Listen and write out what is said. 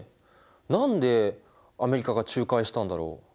何でアメリカが仲介したんだろう。